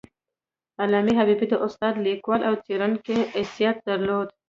علامه حبیبي د استاد، لیکوال او څیړونکي حیثیت درلود.